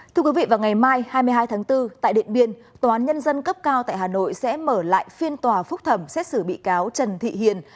thưa quý vị vào ngày mai hai mươi hai tháng bốn tại điện biên tòa án nhân dân cấp cao tại hà nội sẽ mở lại phiên tòa phúc thẩm xét xử bị cáo trần thị hiền